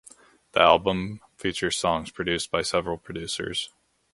The album features songs produced by several producers.